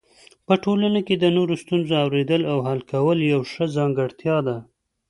په ټولنه کې د نورو ستونزو اورېدل او حل کول یو ښه ځانګړتیا ده.